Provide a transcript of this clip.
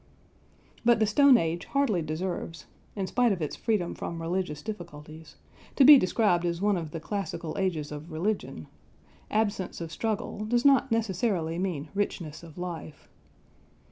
But the Stone Age hardly deserves (in spite of its freedom from religious difficulties) to be described as one of the classical ages of religion; absence of struggle does not necessarily mean richness of life.